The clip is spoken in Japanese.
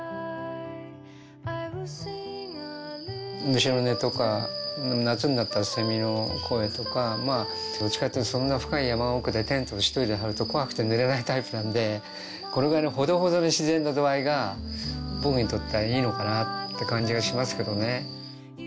虫の音とか夏になったらセミの声とかまあどっちかっていうとそんな深い山奥でテント１人で張ると怖くて寝られないタイプなんでこれくらいのほどほどで自然の度合いが僕にとってはいいのかなって感じがしますけどね。